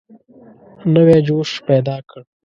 نوی جوش پیدا کړ.